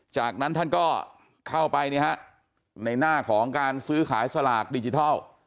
จากนั้นท่านก็เข้าไปในหน้าของการซื้อขายสลากดิจิทัล